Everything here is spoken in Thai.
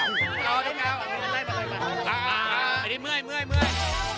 อันนี้เมื่อย